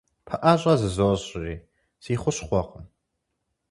Пэӏэщӏэ зызощӏри – си хущхъуэкъым.